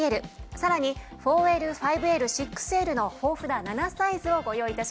さらに４Ｌ５Ｌ６Ｌの豊富な７サイズをご用意致しました。